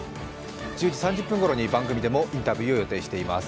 １０時３０分頃に番組でもインタビューを予定しています。